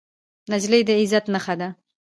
نجلۍ د عزت نښه ده.